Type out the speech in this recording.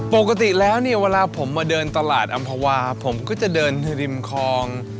ปกติแล้วเนี่ยเวลาผมมาเดินตลาดอำภาวาผมก็จะเดินริมคลอง